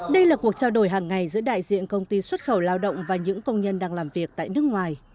đây là cuộc trao đổi hàng ngày giữa đại diện công ty xuất khẩu lao động và những công nhân đang làm việc tại nước ngoài